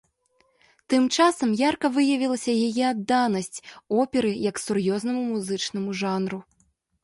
Тым часам ярка выявілася яе адданасць оперы як сур'ёзнаму музычнаму жанру.